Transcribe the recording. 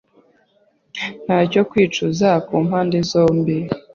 ntacyo kwicuza ku mpande zombi.